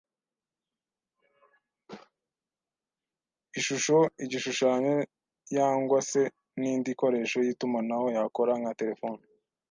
ishusho igishushanyo yangwa se n’iindi ikoresho y’itumanaho yakora nka terefone